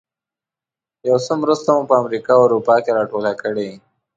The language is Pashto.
یو څه مرسته مو په امریکا او اروپا کې راټوله کړې.